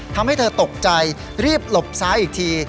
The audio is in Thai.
ทำให้เธอตกใจรีบหลบซ้ายอีกที